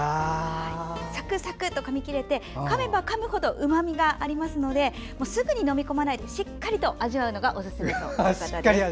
サクサクとかみ切れてかめばかむほどうまみがありますのですぐに飲み込まないでしっかりと味わうのがおすすめということです。